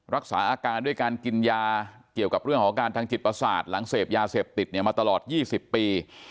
รักษาอาการด้วยการกินยาเกี่ยวกับเรื่องของอาการทางจิตประสาทหลังเสพยาเสพติดเนี่ยมาตลอด๒๐ปี